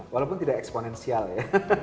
walaupun tidak eksponensial ya